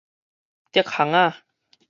竹巷仔